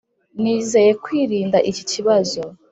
nizeye kwirinda iki kibazo.